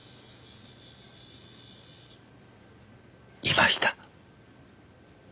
いました。